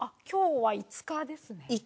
今日は５日ですね。